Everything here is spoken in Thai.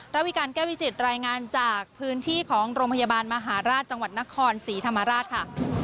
ระวิการแก้วิจิตรายงานจากพื้นที่ของโรงพยาบาลมหาราชจังหวัดนครศรีธรรมราชค่ะ